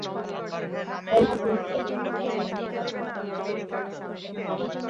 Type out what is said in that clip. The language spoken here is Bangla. কর্ম দুই প্রকার: মুখ্য কর্ম ও গৌণ কর্ম।